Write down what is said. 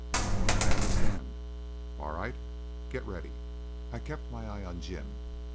"I understand." "All right, get ready." I kept my eye on Jim.